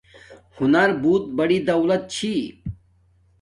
ہنر بوت بڑی دولت چھی